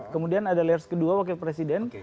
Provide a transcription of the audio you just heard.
kemudian ada layers kedua wakil presiden